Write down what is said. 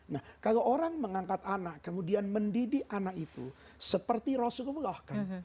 nah kalau orang mengangkat anak kemudian mendidik anak itu seperti rasulullah kan